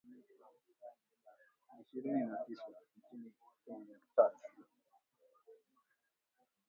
ishirini na tisa nchini Kenya, tatu